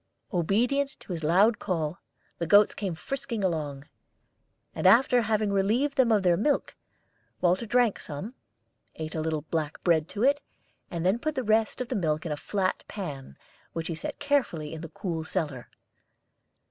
Obedient to his loud call, the goats came frisking along; and after having relieved them of their milk, Walter drank some, ate a little black bread to it, and then put the rest of the milk in a flat pan, which he set carefully in the cool cellar.